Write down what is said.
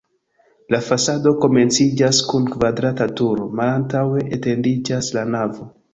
La fasado komenciĝas kun kvadrata turo, malantaŭe etendiĝas la navo.